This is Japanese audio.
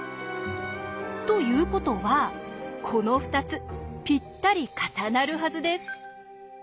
ということはこの２つぴったり重なるはずです。